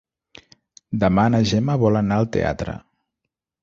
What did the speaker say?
Demà na Gemma vol anar al teatre.